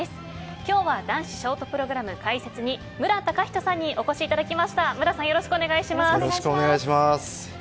今日は男子ショートプログラム解説に無良崇人さんにお越しいただきました。